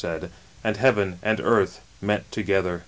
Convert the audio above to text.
said, and Jjeaven and parth met together.